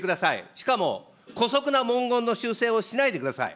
しかも、こそくな文言の修正をしないでください。